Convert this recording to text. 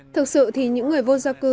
thực sự thì những người vô gia cư